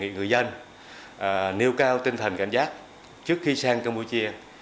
người dân nêu cao tinh thần cảnh giác trước khi sang campuchia